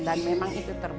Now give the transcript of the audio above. dan memang itu terbukti